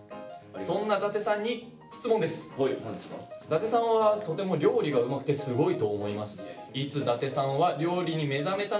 「舘さんはとても料理がうまくてすごいと思います」。